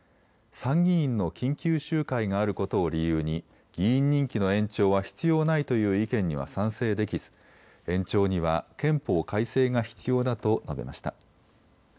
参議院の緊急集会があることを理由に議員任期の延長は必要ないという意見には賛成できず延長には憲法改正が必要だと述べました。